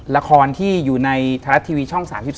ละครที่อยู่ในไทยรัฐทีวีช่อง๓๒